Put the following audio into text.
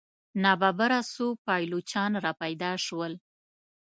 ناببره څو پایلوچان را پیدا شول.